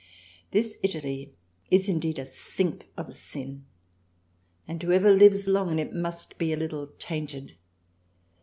This Italy is indeed a sink of Sin and whoever lives long in it must be a little tainted.